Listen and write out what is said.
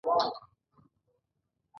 خو هغه دروغجن راوخوت.